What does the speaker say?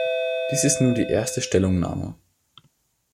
Dies ist nun die erste Stellungnahme.